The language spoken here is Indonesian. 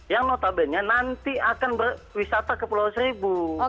yang notabene nanti akan berwisata ke pulau seribu